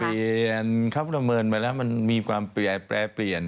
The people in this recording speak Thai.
เปลี่ยนครับละเมินไปแล้วมันมีความแปรเปลี่ยน